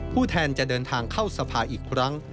แทนจะเดินทางเข้าสภาอีกครั้ง